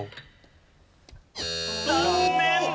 残念！